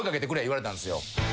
言われたんですよ。